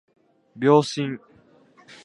秒針